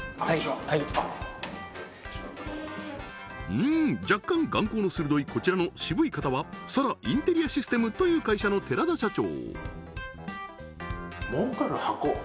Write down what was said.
うん若干眼光の鋭いこちらの渋い方はサラインテリアシステムという会社の寺田社長